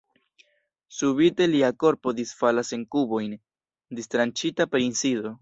Subite lia korpo disfalas en kubojn, distranĉita per insido.